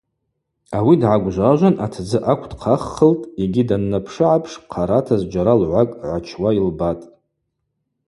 Ауи дгӏагвжважван атдзы акв дхъаххылтӏ йгьи данннапшы-гӏапш хъарата зджьара лгӏвакӏ гӏачуа йылбатӏ.